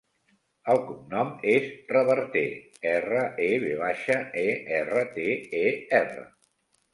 El cognom és Reverter: erra, e, ve baixa, e, erra, te, e, erra.